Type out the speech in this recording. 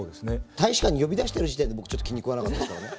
大使館に呼び出してる時点で僕ちょっと気に食わなかったんですよね。